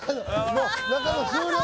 もう中野終了